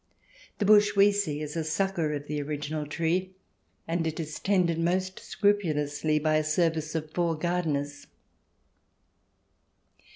The bush we see is a sucker of the original tree, and it is tended most scrupulously by a service of four gardeners.